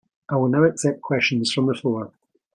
I will now accept questions from the floor.